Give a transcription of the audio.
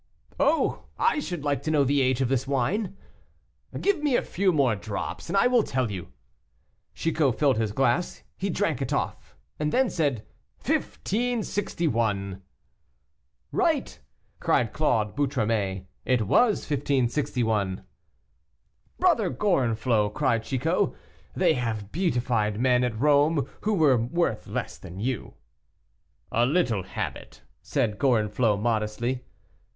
"Oh! I should like to know the age of this wine." "Give me a few drops more, and I will tell you." Chicot filled his glass. He drank it off, and then said, "1561." "Right," cried Claude Boutromet, "it was 1561." "Brother Gorenflot," cried Chicot, "they have beatified men at Rome who were worth less than you." "A little habit," said Gorenflot, modestly.